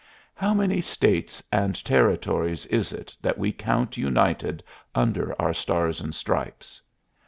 How many States and Territories is it that we count united under our Stars and Stripes?